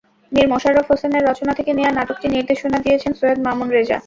মীর মশাররফ হোসেনের রচনা থেকে নেয়া নাটকটির নির্দেশনা দিয়েছেন সৈয়দ মামুন রেজা।